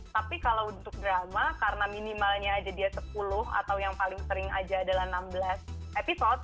tapi kalau untuk drama karena minimalnya aja dia sepuluh atau yang paling sering aja adalah enam belas episode